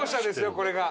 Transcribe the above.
これが。